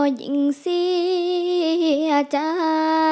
ยิ่งเสียใจ